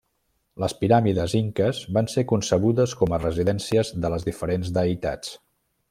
Les piràmides inques van ser concebudes com a residències de les diferents deïtats.